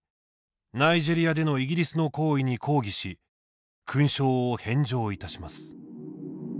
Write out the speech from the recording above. ナイジェリアでのイギリスの行為に抗議し勲章を返上いたします」。